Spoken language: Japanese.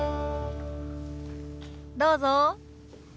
どうぞ。